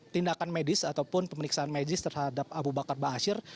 tindakan medis ataupun pemeriksaan medis terhadap abu bakar ba'asyir